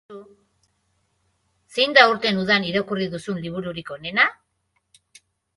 Zein da aurtengo udan irakurri duzun libururik onena?